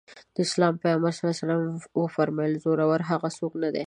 د اسلام پيغمبر ص وفرمايل زورور هغه څوک نه دی.